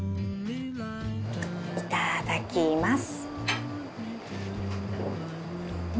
いただきます。